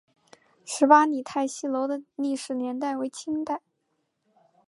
十八里汰戏楼的历史年代为清代。